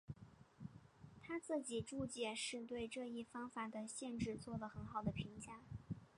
他自己注解是对这一方法的限制做了很好的评价。